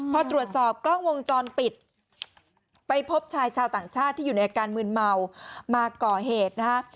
พอตรวจสอบกล้องวงจรปิดไปพบชายชาวต่างชาติที่อยู่ในอาการมืนเมามาก่อเหตุนะฮะ